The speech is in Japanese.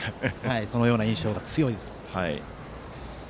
そのような印象、強いです。